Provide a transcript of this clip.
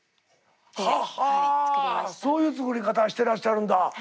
ははそういう作り方してらっしゃるんだ。